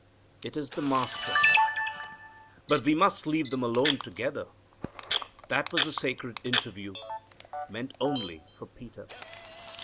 It is the Master! But we must leave them alone together. That was a sacred interview, meant only for Peter.